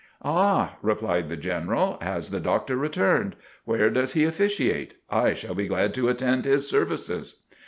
"Ah," replied the General, "has the Doctor returned? Where does he officiate? I shall be glad to attend his services."